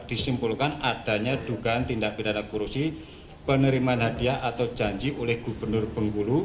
disimpulkan adanya dugaan tindak pidana korupsi penerimaan hadiah atau janji oleh gubernur bengkulu